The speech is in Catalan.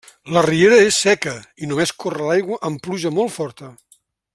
La riera és seca i només corre l'aigua amb pluja molt forta.